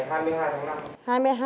ở ngày hai mươi hai tháng năm